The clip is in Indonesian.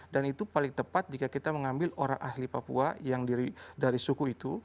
dan itu paling tepat jika kita mengambil orang ahli papua yang dari suku itu